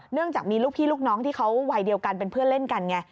จากมีลูกพี่ลูกน้องที่เขาวัยเดียวกันเป็นเพื่อนเล่นกันไง